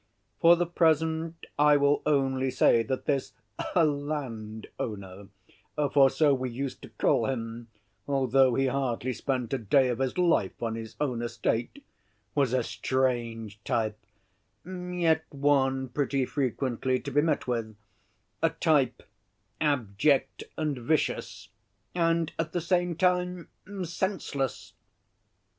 For the present I will only say that this "landowner"—for so we used to call him, although he hardly spent a day of his life on his own estate—was a strange type, yet one pretty frequently to be met with, a type abject and vicious and at the same time senseless.